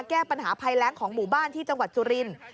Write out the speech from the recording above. แก้ปัญหาภัยแรงของหมู่บ้านที่จังหวัดสุรินทร์